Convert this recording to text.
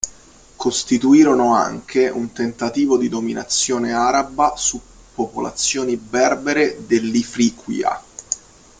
Costituirono anche un tentativo di dominazione araba su popolazioni berbere dell'Ifrīqiya.